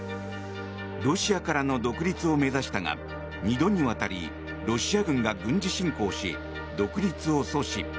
ロシアからの独立を目指したが２度にわたりロシア軍が軍事侵攻し独立を阻止。